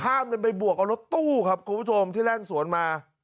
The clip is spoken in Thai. ข้ามเรนไปบวกอันรถตู้ครับคุณผู้ชมที่แร่งสวนมา